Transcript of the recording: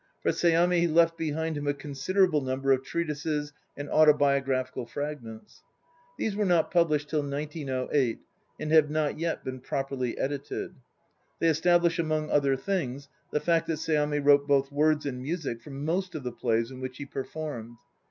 For Seami left behind him a considerable number of treatises and autobiograph ical fragments. 1 These were not published till 1908 and have not yet been properly edited. They establish, among other things, the fact that Seami wrote both words and music for most of the plays in which he performed.